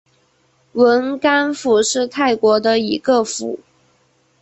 汶干府是泰国的一个府。